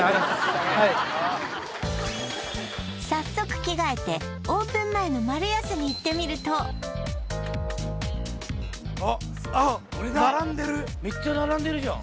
早速着替えてオープン前のマルヤスに行ってみるとめっちゃ並んでるじゃん